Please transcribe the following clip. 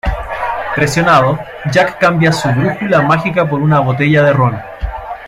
Presionado, Jack cambia su brújula mágica por una botella de Ron.